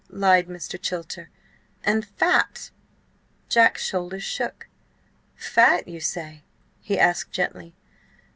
lied Mr. Chilter. "And fat." Jack's shoulders shook. "Fat, you say?" he asked gently.